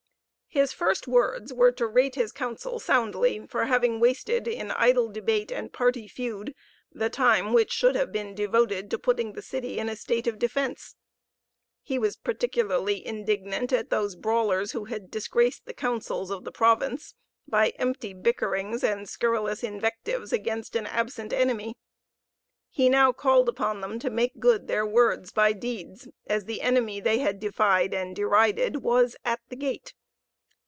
His first words were to rate his council soundly for having wasted in idle debate and party feud the time which should have been devoted to putting the city in a state of defence. He was particularly indignant at those brawlers who had disgraced the councils of the province by empty bickerings and scurrilous invectives against an absent enemy. He now called upon them to make good their words by deeds, as the enemy they had defied and derided was at the gate.